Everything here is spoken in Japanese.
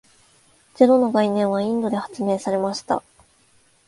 ゼロの概念はインドで発明されました。